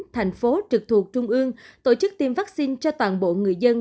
thành phố trực thuộc trung ương tổ chức tiêm vaccine cho toàn bộ người dân